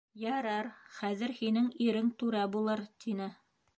— Ярар, хәҙер һинең ирең түрә булыр, — тине.